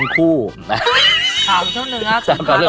ข่าวเจ้าเนื้อ